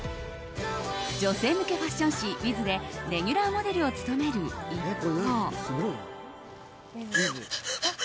女性向けファッション誌「ｗｉｔｈ」でレギュラーモデルを務める一方。